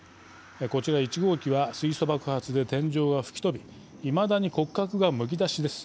こちら１号機は水素爆発で天井が吹き飛びいまだに骨格がむき出しです。